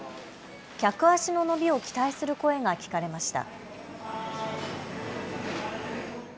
客足の伸びを期待する声が聞かれました。